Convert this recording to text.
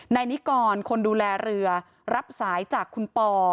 ในนี้ก่อนคนดูแลเรือรับสายจากคุณปอ